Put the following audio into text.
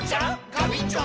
ガビンチョ！